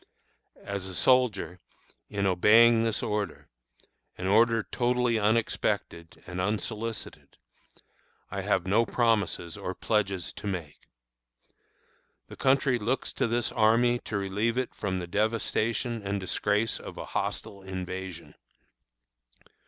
As a soldier, in obeying this order an order totally unexpected and unsolicited I have no promises or pledges to make. The country looks to this army to relieve it from the devastation and disgrace of a hostile invasion.